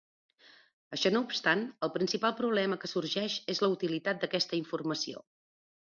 Això no obstant, el principal problema que sorgeix és la utilitat d'aquesta informació.